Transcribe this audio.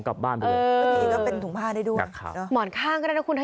เจ๋งนะ